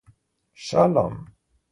Schalom!